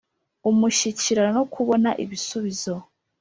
Umushyikirano no kubona ibisubizo